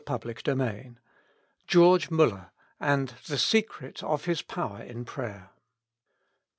258 NOTES. GEORGE MULLER, AND THE SECRET OF HIS POWER IN PRAYER.